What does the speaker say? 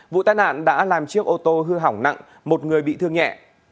vụ tai nạn đã làm chiếc ô tô hư hỏng nặng một người bị thương nhẹ